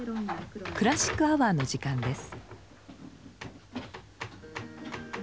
「クラシックアワー」の時間です。